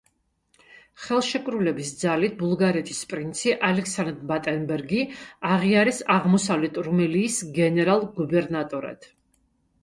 ხელშეკრულების ძალით ბულგარეთის პრინცი ალექსანდრ ბატენბერგი აღიარეს აღმოსავლეთ რუმელიის გენერალ-გუბერნატორად.